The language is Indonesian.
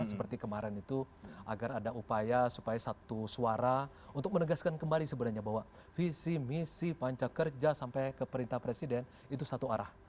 seperti kemarin itu agar ada upaya supaya satu suara untuk menegaskan kembali sebenarnya bahwa visi misi panca kerja sampai ke perintah presiden itu satu arah